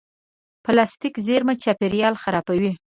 پلاستيکي زېرمه چاپېریال خرابوي.